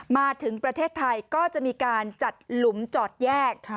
มาถึงประเทศไทยก็จะมีการจัดหลุมจอดแยก